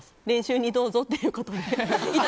練習にどうぞっていうことで。